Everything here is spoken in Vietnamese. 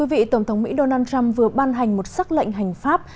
quý vị tổng thống mỹ donald trump vừa ban hành một xác lệnh hành pháp